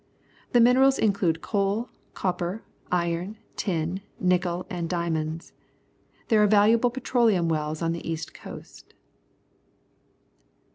The minerals include coal, copper, iron, tin, nickel, and diamonds. There are valuable petroleum wells on the east coast.